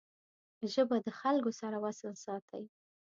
ژبه د خلګو سره وصل ساتي